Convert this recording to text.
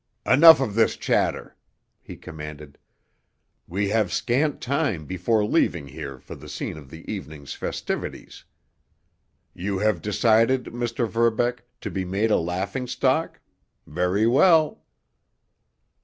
"Enough of this chatter!" he commanded. "We have scant time before leaving here for the scene of the evening's festivities. You have decided, Mr. Verbeck, to be made a laughingstock! Very well!"